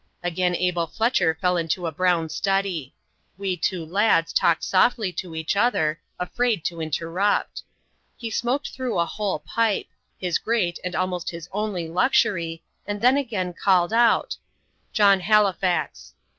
Again Abel Fletcher fell into a brown study. We two lads talked softly to each other afraid to interrupt. He smoked through a whole pipe his great and almost his only luxury, and then again called out "John Halifax."